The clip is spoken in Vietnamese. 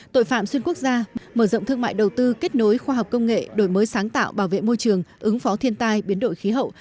tội phạm xuyên quốc gia mở rộng thương mại đầu tư kết nối khoa học công nghệ đổi mới sáng tạo bảo vệ môi trường ứng phó thiên tai biến đổi khí hậu